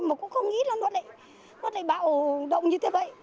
mà cũng không nghĩ là nó lại bạo động như thế vậy